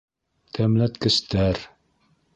Тәмләткестәр